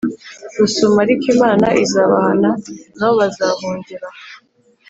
rusumo ariko Imana izabahana na bo bazahungira